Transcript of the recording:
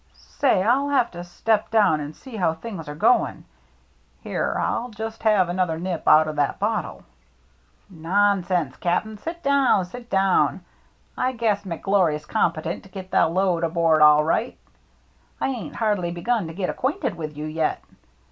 Say, I'll have to step down and sec how things are going. Here, I'll just have another nip out o' that bottle." " Nonsense, Cap'n ; sit down, sit down. I guess McGlory's competent to get the load aboard all right. I ain't hardly begun to get acquainted with you yet.